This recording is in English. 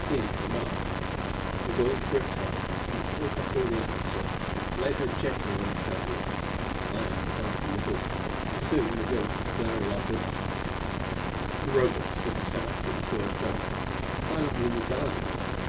Tina came up; Migul gripped her and pulled her through the aperture; laid her gently on the catwalk. I unfastened the hook, and soon Migul had Larry up with us. The Robot stood aside, with its work done, silently regarding us.